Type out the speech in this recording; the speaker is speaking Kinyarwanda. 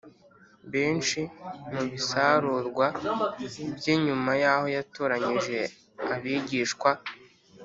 benshi mu bisarurwa bye Nyuma yaho yatoranyije abigishwa